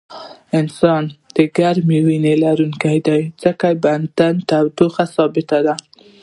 انسان د ګرمې وینې لرونکی دی ځکه د بدن تودوخه یې ثابته وي